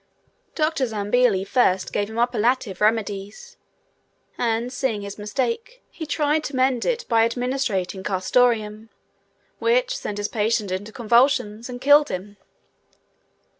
Dr. Zambelli first gave him oppilative remedies, and, seeing his mistake, he tried to mend it by administering castoreum, which sent his patient into convulsions and killed him.